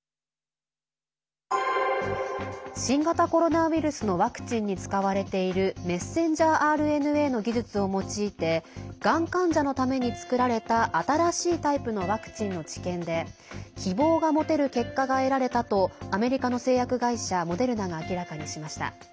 新型コロナウイルスのワクチンに使われているメッセンジャーＲＮＡの技術を用いてがん患者のために作られた新しいタイプのワクチンの治験で希望が持てる結果が得られたとアメリカの製薬会社モデルナが明らかにしました。